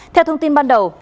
theo thông tin ban đầu